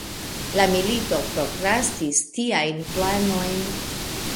La milito prokrastis tiajn planojn.